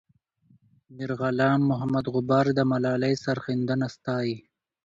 میرغلام محمد غبار د ملالۍ سرښندنه ستايي.